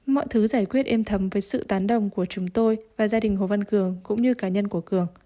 mọi thứ giải quyết êm thấm với sự tán đồng của chúng tôi và gia đình hồ văn cường cũng như cá nhân của cường